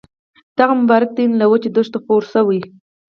دغه مبارک دین له وچو دښتو خپور شوی.